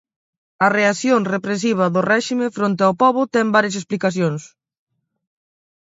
A reacción represiva do Réxime fronte o pobo ten varias explicacións.